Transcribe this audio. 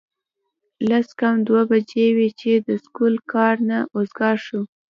لس کم دوه بجې وې چې د سکول کار نه اوزګار شو